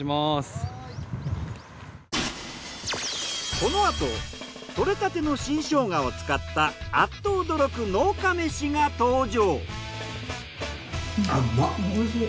このあと採れたての新ショウガを使ったあっと驚く農家めしが登場。